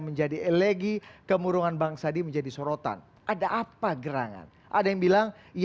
menjadi elegi kemurungan bang sandi menjadi sorotan ada apa gerangan ada yang bilang